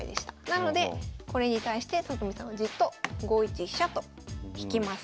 なのでこれに対して里見さんはじっと５一飛車と引きます。